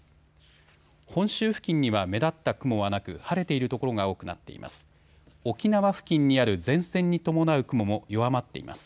本州付近には目立った雲はなく晴れている所が多くなっています。